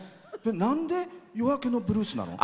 なんで「夜明けのブルース」なの？